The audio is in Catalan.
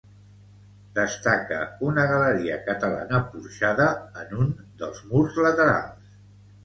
Destaca una galeria catalana porxada en un dels murs laterals